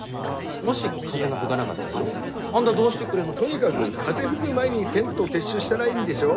もし風が吹がながったらよあんだどうしてくれんの。とにかぐ風吹ぐ前にテント撤収したらいいんでしょ？